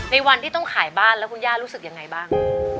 ในวันที่ต้องขายบ้านแล้วคุณย่ารู้สึกยังไงบ้าง